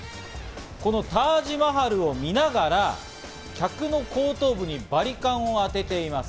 このタージマハルを見ながら客の後頭部にバリカンを当てています。